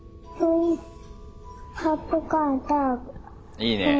いいねえ。